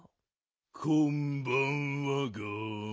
こんばんはガン。